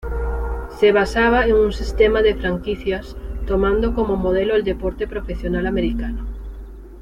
Se basaba en un sistema de franquicias tomando como modelo el deporte profesional americano.